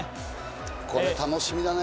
これ楽しみだね。